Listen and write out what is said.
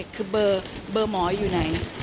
คือเบอร์เบอร์หมออยู่ไหน